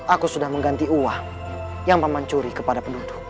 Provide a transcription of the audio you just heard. aku sudah mengganti uang yang paman curi kepada penduduk